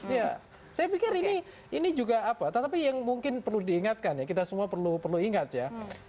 ya saya pikir ini juga apa tetapi yang mungkin perlu diingatkan ya kita semua perlu ingat ya